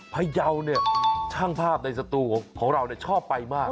พยาวเนี่ยช่างภาพในสตูของเราชอบไปมาก